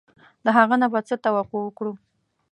د هغه نه به څه توقع وکړو.